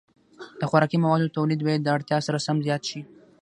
د خوراکي موادو تولید باید د اړتیا سره سم زیات شي.